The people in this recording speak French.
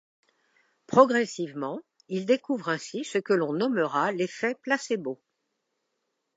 Progressivement, il découvre ainsi ce que l’on nommera l’effet placebo.